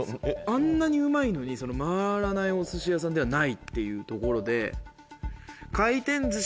あんなにうまいのに回らないお寿司屋さんではないっていうところで。